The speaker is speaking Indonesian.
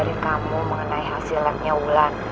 aku mau ngeliatin kamu mengenai hasil labnya wulan